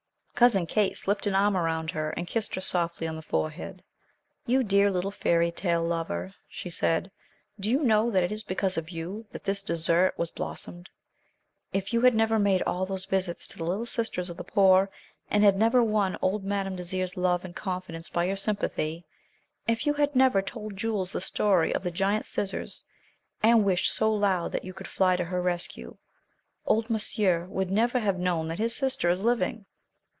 Cousin Kate slipped an arm around her, and kissed her softly on the forehead. "You dear little fairy tale lover," she said. "Do you know that it is because of you that this desert has blossomed? If you had never made all those visits to the Little Sisters of the Poor, and had never won old Madame Désiré's love and confidence by your sympathy, if you had never told Jules the story of the giant scissors, and wished so loud that you could fly to her rescue, old monsieur would never have known that his sister is living.